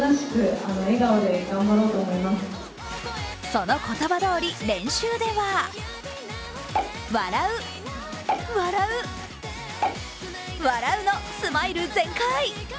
その言葉どおり練習では笑う、笑う、笑うのスマイル全開。